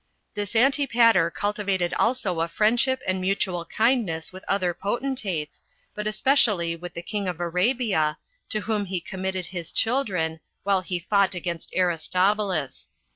This Antipater cultivated also a friendship and mutual kindness with other potentates, but especially with the king of Arabia, to whom he committed his children, while he fought against Aristobulus.